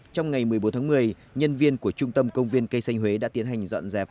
trong ngày một mươi bốn tháng một mươi nhân viên của trung tâm công viên cây xanh huế đã tiến hành dọn dẹp